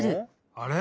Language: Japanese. あれ？